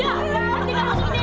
kamu tidak mau sembunyi